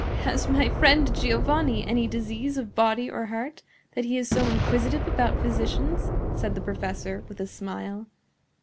"Has my friend Giovanni any disease of body or heart, that he is so inquisitive about physicians?" said the professor, with a smile.